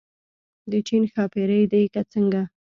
د چین ښاپېرۍ دي که څنګه.